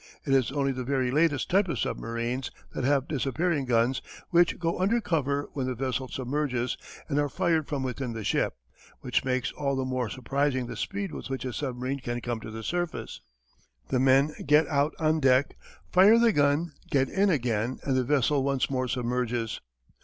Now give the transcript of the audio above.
It is only the very latest type of submarines that have disappearing guns which go under cover when the vessel submerges and are fired from within the ship, which makes all the more surprising the speed with which a submarine can come to the surface, the men get out on deck, fire the gun, get in again and the vessel once more submerges.